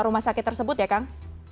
rumah sakit tersebut ya kang